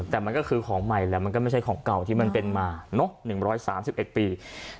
แต่มันก็คือของใหม่แหละมันก็ไม่ใช่ของเก่าที่มันเป็นมาเนอะ๑๓๑ปี